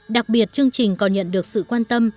đặc biệt chương trình còn nhận được sự quan tâm